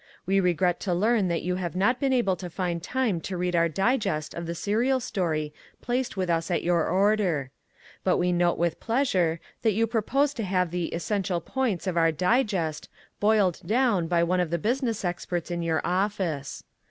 We regret to learn that you have not been able to find time to read our digest of the serial story placed with us at your order. But we note with pleasure that you propose to have the "essential points" of our digest "boiled down" by one of the business experts of your office.